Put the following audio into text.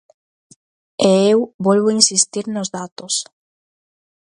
E eu volvo insistir nos datos.